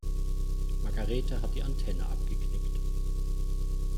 Margarethe hat die Antenne abgeknickt.